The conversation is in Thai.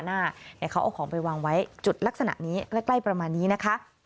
สงัยเศรษฐ์เขาเอาของไปวางไว้จุดลักษณะนี้แรกใกล้ประมาณนี้นะคะ